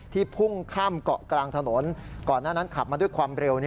พุ่งข้ามเกาะกลางถนนก่อนหน้านั้นขับมาด้วยความเร็ว